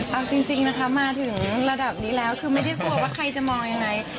เอาจริงนะคะมาถึงระดับนี้แล้วคือไม่ได้กลัวว่าใครจะมองยังไง